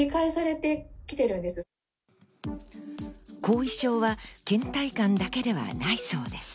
後遺症は倦怠感だけではないそうです。